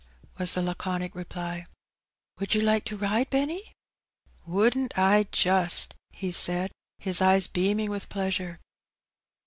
was the laconic reply. "Would you like to ride, Benny?" " Wouldn't I just !" he said, his eyes beaming with pleasure.